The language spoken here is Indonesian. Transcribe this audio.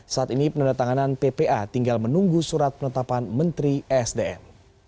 saat ini peneretanganan ppa tinggal menunggu surat penetapan menteri esdm